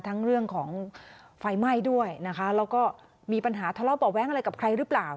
เรื่องของไฟไหม้ด้วยนะคะแล้วก็มีปัญหาทะเลาะเบาะแว้งอะไรกับใครหรือเปล่า